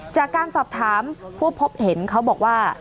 จากการสอบถามผู้พบเห็นเขาบอกว่า